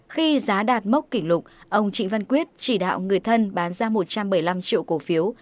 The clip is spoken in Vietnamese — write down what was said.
khi giá đạt mốc kỷ lục ông trịnh văn quyết chỉ đạo người thân bán ra một trăm bảy mươi năm triệu cổ phiếu